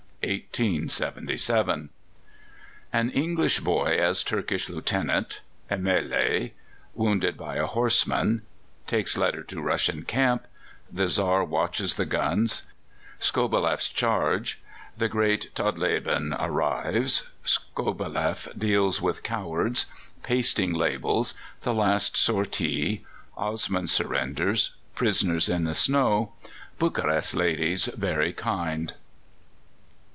CHAPTER XX PLEVNA (1877) An English boy as Turkish Lieutenant A mêlée Wounded by a horseman Takes letter to Russian camp The Czar watches the guns Skobeleff's charge The great Todleben arrives Skobeleff deals with cowards Pasting labels The last sortie Osman surrenders Prisoners in the snow Bukarest ladies very kind.